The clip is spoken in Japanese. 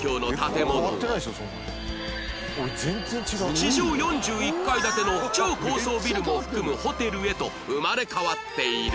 地上４１階建ての超高層ビルも含むホテルへと生まれ変わっている